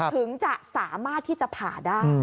ถึงจะสามารถที่จะผ่าได้